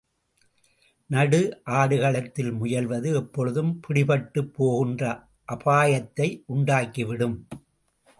நடு ஆடுகளத்தில் முயல்வது, எப்பொழுதும் பிடிபட்டுப் போகின்ற அபாயத்தை உண்டாக்கிவிடும்.